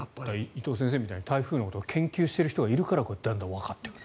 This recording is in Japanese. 伊藤先生みたいに台風のことを研究している人がいるからわかってくる。